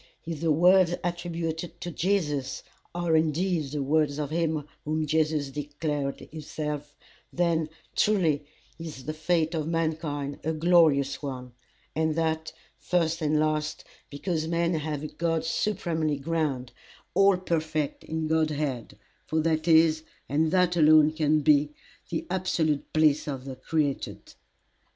If the words attributed to Jesus are indeed the words of him whom Jesus declared himself, then truly is the fate of mankind a glorious one, and that, first and last, because men have a God supremely grand, all perfect in God head; for that is, and that alone can be, the absolute bliss of the created."